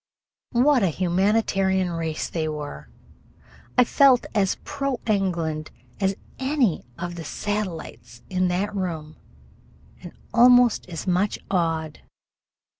What a humanitarian race they were! I felt as pro England as any of the satellites in that room, and almost as much awed.